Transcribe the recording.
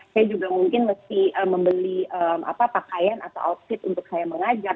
saya juga mungkin mesti membeli pakaian atau outfit untuk saya mengajar